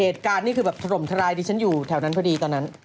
นี่คือแบบถล่มทลายดิฉันอยู่แถวนั้นพอดีตอนนั้น